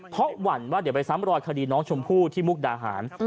เพราะหวั่นว่าเดี๋ยวไปซ้ำรอยคดีน้องชมพู่ที่มุกดาหาร